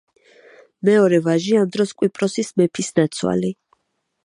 მეორე ვაჟი ამ დროს იყო კვიპროსის მეფისნაცვალი.